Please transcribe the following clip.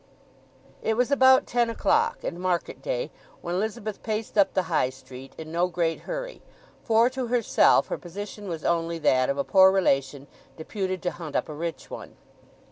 It was about ten o'clock, and market day, when Elizabeth paced up the High Street, in no great hurry; for to herself her position was only that of a poor relation deputed to hunt up a rich one.